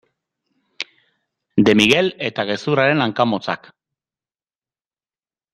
De Miguel eta gezurraren hanka motzak.